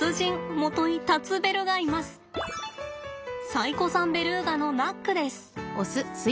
最古参ベルーガのナックです。